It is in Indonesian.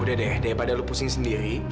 udah deh daripada lu pusing sendiri